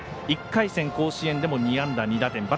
１回戦、甲子園でも２安打２打点。